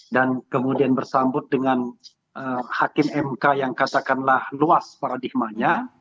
dan kemudian bersambut dengan hakim mk yang kasakanlah luas paradigmanya